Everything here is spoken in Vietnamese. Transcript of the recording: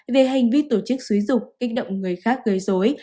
về hành vi tổ chức xúi dục kích động người khác gây dối